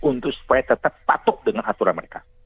untuk supaya tetap patuh dengan aturan mereka